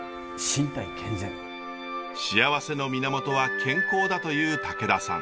幸せの源は健康だという武田さん。